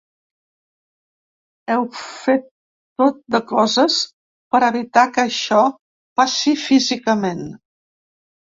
Heu fet tot de coses per evitar que això passi físicament.